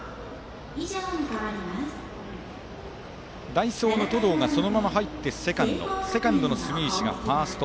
代走の登藤がそのままセカンドに入りセカンドの住石がファースト。